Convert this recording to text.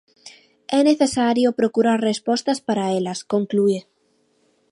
"É necesario procurar respostas para elas", conclúe.